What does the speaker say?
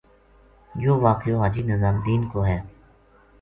یوہ واقعو حاجی نظام دین کو